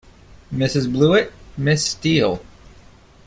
Mrs. Blewett, Miss Steele.